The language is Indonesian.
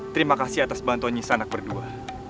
terima kasih atas bantuan nyisak anak berdua